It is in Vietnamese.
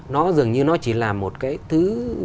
nó dường như nó chỉ là một cái thứ